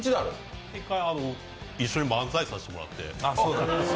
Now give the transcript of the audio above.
１回、一緒に漫才させてもらって。